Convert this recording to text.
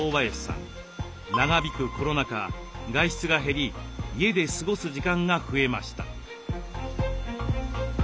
長引くコロナ禍外出が減り家で過ごす時間が増えました。